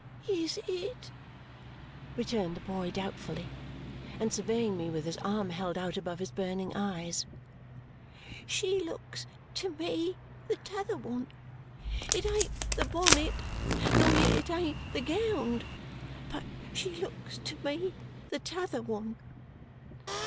"Is it?" returned the boy doubtfully, and surveying me with his arm held out above his burning eyes. "She looks to me the t'other one. It ain't the bonnet, nor yet it ain't the gownd, but she looks to me the t'other one."